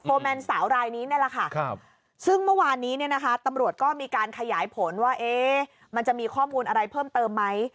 แมนสาวรายนี้นี่แหละค่ะซึ่งเมื่อวานนี้เนี่ยนะคะตำรวจก็มีการขยายผลว่ามันจะมีข้อมูลอะไรเพิ่มเติมไหม